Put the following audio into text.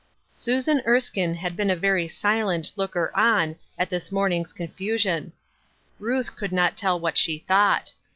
Susan Erskine had been a very silent looker on at this morning's confusion Ruth could not tell what she thouaiht.